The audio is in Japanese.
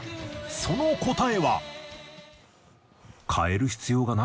その答えは。